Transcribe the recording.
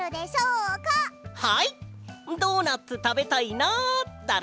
ドーナツたべたいなだろ？